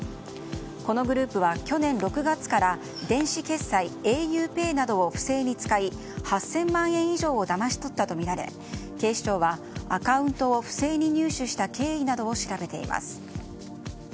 このグループは、去年６月から電子決済ａｕＰＡＹなどを不正に使い８０００万円以上をだまし取ったとみられ警視庁はアカウントを不正に入手した経緯などを調べています。